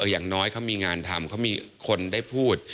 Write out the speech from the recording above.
อย่างน้อยเขามีงานทำเขามีคนได้พูด